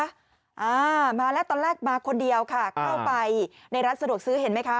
อ่ามาแล้วตอนแรกมาคนเดียวค่ะเข้าไปในร้านสะดวกซื้อเห็นไหมคะ